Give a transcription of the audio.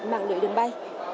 mạng lưỡi đường bay